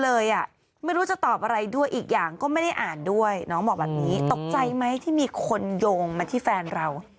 เลยอ่ะไม่รู้จะตอบอะไรด้วยอีกอย่างก็ไม่ได้อ่านด้วยน้องบอกแบบนี้ตกใจไหมที่มีคนโยงมาที่แฟนเรา